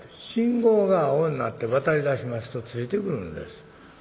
信号が青になって渡りだしますとついてくるんです。